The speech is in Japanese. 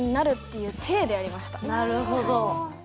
なるほど。